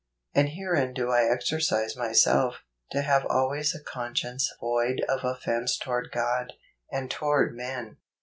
" And herein do I exercise myself, to have always a conscience void of offence toward God , and toward men."